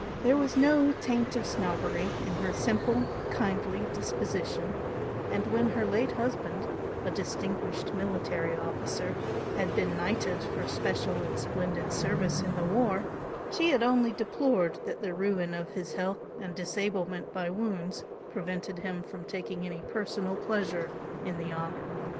There was no taint of snobbery in her simple, kindly disposition, and when her late husband, a distinguished military officer, had been knighted for special and splendid service in the war, she had only deplored that the ruin of his health and disablement by wounds, prevented him from taking any personal pleasure in the "honour."